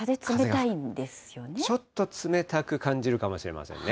ちょっと冷たく感じるかもしれませんね。